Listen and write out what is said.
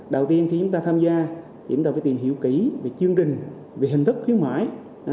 đầu tiên khi chúng ta tham gia thì chúng ta phải tìm hiểu kỹ về chương trình về hình thức khuyến mại